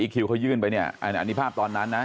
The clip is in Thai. คิวเขายื่นไปเนี่ยอันนี้ภาพตอนนั้นนะ